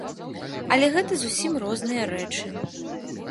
Але гэта зусім розныя рэчы.